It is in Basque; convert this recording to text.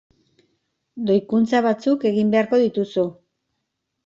Doikuntza batzuk egin beharko dituzu.